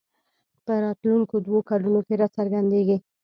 په راتلونکو دوو کلونو کې راڅرګندېږي